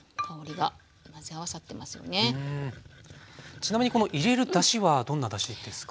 ちなみにこの入れるだしはどんなだしですか？